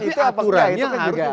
tapi akurannya harus